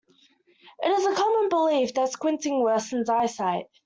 It is a common belief that squinting worsens eyesight.